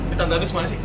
eh tante andis mana sih